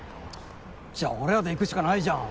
じゃあ俺らで行くしかないじゃん。